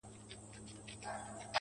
زړه مي ورېږدېدی_